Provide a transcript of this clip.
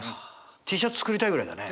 Ｔシャツ作りたいぐらいだね。